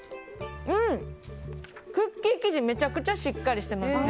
クッキー生地めちゃくちゃしっかりしています。